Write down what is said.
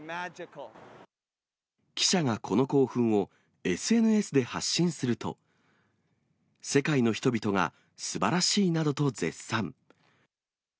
記者がこの興奮をＳＮＳで発信すると、世界の人々が、すばらしいなどと絶賛。